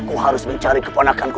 aku harus mencari keponakan ku